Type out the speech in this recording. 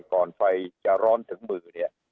ก่อนไฟจะร้อนถึงหมื่อ